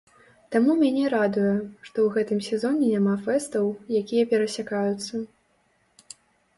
Таму мяне радуе, што ў гэтым сезоне няма фэстаў, якія перасякаюцца.